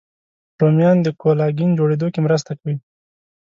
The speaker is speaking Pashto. رومیان د کولاګین جوړېدو کې مرسته کوي